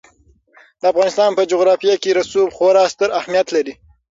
د افغانستان په جغرافیه کې رسوب خورا ستر اهمیت لري.